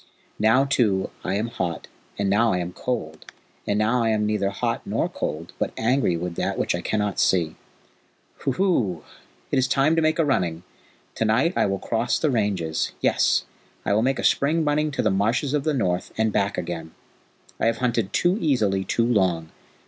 Now, too, I am hot and now I am cold, and now I am neither hot nor cold, but angry with that which I cannot see. Huhu! It is time to make a running! To night I will cross the ranges; yes, I will make a spring running to the Marshes of the North, and back again. I have hunted too easily too long.